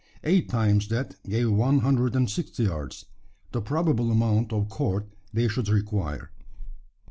Eight times that gave one hundred and sixty yards the probable amount of cord they should require.